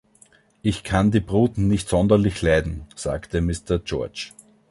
„Ich kann die Brut nicht sonderlich leiden,“ sagte Mr. George.